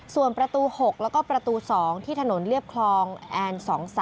ส่วนประตู๖แล้วก็ประตู๒ที่ถนนเรียบคลองแอน๒๓